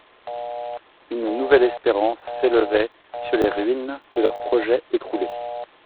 Une nouvelle espérance s’élevait sur les ruines de leurs projets écroulés.